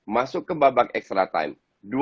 masuk ke babak extra time